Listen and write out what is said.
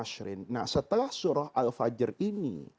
nah setelah surah al fajr ini